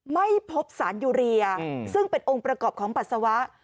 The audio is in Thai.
ไม่พบสารยูเรียซึ่งเป็นองค์ประกอบของปัสสาวะ